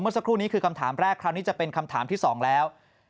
สักครู่นี้คือคำถามแรกคราวนี้จะเป็นคำถามที่๒แล้ว